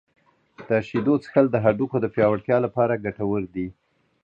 • د شیدو څښل د هډوکو د پیاوړتیا لپاره ګټور دي.